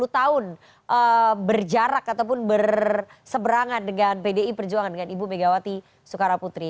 dua puluh tahun berjarak ataupun berseberangan dengan pdi perjuangan dengan ibu megawati soekaraputri